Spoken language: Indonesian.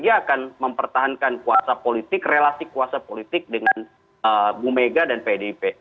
dia akan mempertahankan kuasa politik relasi kuasa politik dengan bu mega dan pdip